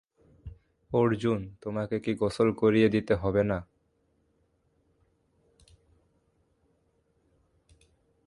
অর্জুন, তোমাকে কি গোসল করিয়ে দিতে হবে না?